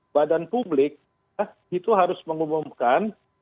badan publik itu harus mengumumkan